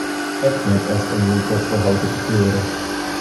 Ek net echt in winkel foar haute couture.